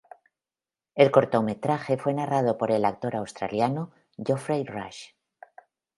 El cortometraje fue narrado por el actor australiano Geoffrey Rush.